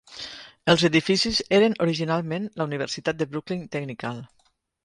Els edificis eren originalment la Universitat de Brooklyn Technical.